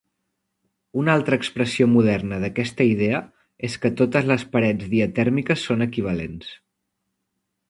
Una altra expressió moderna d'aquesta idea és que "Totes les parets diatèrmiques són equivalents".